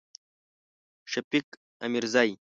شفیق امیرزی